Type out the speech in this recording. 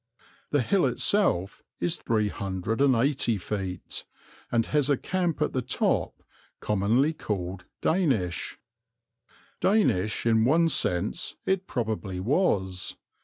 The hill itself is 380 feet, and has a camp at the top, commonly called Danish. Danish in one sense it probably was.